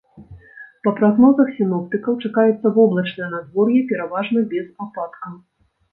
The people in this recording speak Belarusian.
Па прагнозах сіноптыкаў, чакаецца воблачнае надвор'е, пераважна без ападкаў.